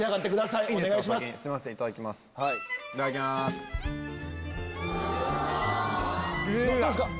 いただきます。